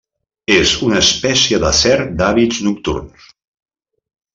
És una espècie de serp d'hàbits nocturns.